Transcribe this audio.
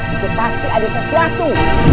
itu pasti ada sesuatu